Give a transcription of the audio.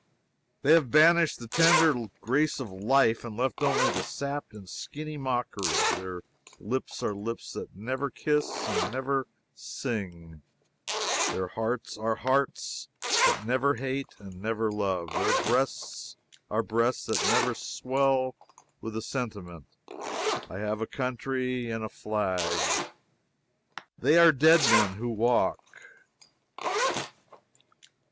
They have banished the tender grace of life and left only the sapped and skinny mockery. Their lips are lips that never kiss and never sing; their hearts are hearts that never hate and never love; their breasts are breasts that never swell with the sentiment, "I have a country and a flag." They are dead men who walk.